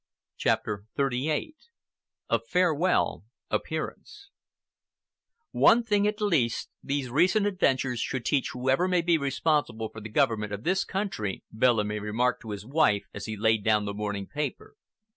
CHAPTER XXXVIII A FAREWELL APPEARANCE "One thing, at least, these recent adventures should teach whoever may be responsible for the government of this country," Bellamy remarked to his wife, as he laid down the morning paper.